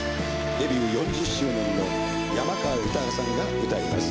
デビュー４０周年の山川豊さんが歌います。